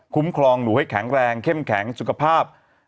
ครองหนูให้แข็งแรงเข้มแข็งสุขภาพ